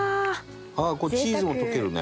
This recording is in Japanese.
あっこれチーズも溶けるね。